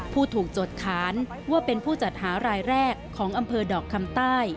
ผู้ถูกจดค้านว่าเป็นผู้จัดหารายแรกของอำเภอดอกคำใต้